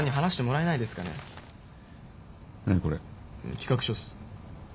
企画書っす。